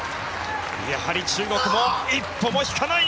やはり中国も一歩も引かない！